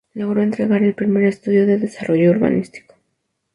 Logró entregar el primer estudio de desarrollo urbanístico.